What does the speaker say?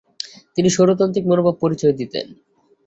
তিনি স্বৈরতান্ত্রিক মনোভাবের পরিচয় দিতেন।